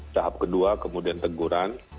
tahap kedua kemudian teguran